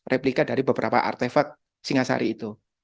replika dari beberapa artefak singasari itu